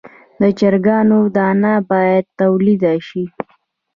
د چرګانو دانه باید تولید شي.